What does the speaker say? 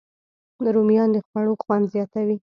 رومیان د خوړو خوند زیاتوي